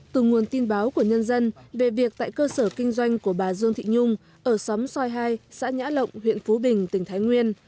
từ nguồn tin báo của nhân dân về việc tại cơ sở kinh doanh của bà dương thị nhung ở xóm soi hai xã nhã lộng huyện phú bình tỉnh thái nguyên